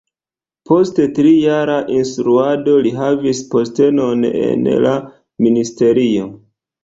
Post trijara instruado li havis postenon en la ministerio.